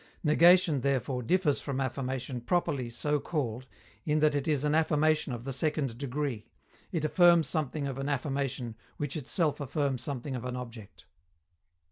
_Negation, therefore, differs from affirmation properly so called in that it is an affirmation of the second degree: it affirms something of an affirmation which itself affirms something of an object.